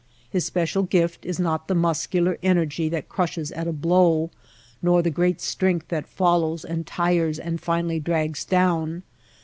His special gift is not the muscular energy that crushes at a blow ; nor the great strength that follows and tires and finally drags down.